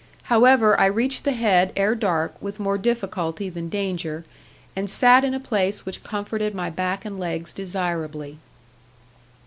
However, I reached the head ere dark with more difficulty than danger, and sat in a place which comforted my back and legs desirably.